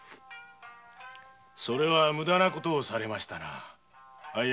それは無駄なことをされましたな。